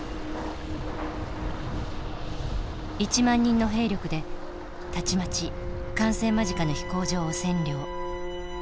１万人の兵力でたちまち完成間近の飛行場を占領。